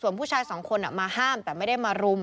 ผู้ชายสองคนมาห้ามแต่ไม่ได้มารุม